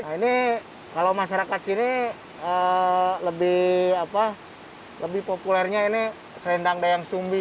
ini kalau masyarakat sini lebih populernya ini selendang dayang sumbi